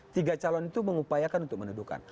tiga calon itu mengupayakan untuk menuduhkan